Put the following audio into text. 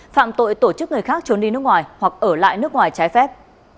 phạm tội tổ chức người khác trốn đi nước ngoài hoặc ở lại nước ngoài trái phép